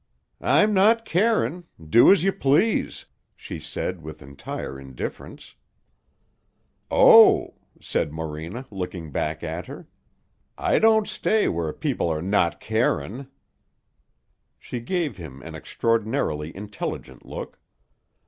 "I'm not carin'. Do as you please," she said with entire indifference. "Oh," said Morena, looking back at her, "I don't stay where people are 'not carin'.'" She gave him an extraordinarily intelligent look.